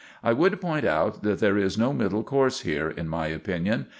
I would point out that there is no middle course here, in my opinion.